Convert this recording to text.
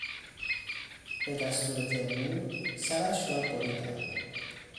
به دستور تیمور سرش را بریدند.